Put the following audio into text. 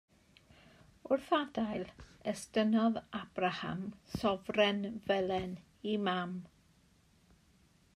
Wrth adael, estynnodd Abraham sofren felen i mam.